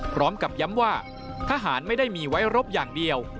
พร้อมกับย้ำว่าทหารไม่ได้มีไว้รบอย่างเดียว